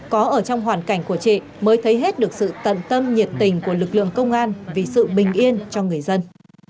có ở trong hoàn cảnh của chị mới thấy hết được sự tận tâm nhiệt tình của lực lượng công an vì sự bình yên cho người dân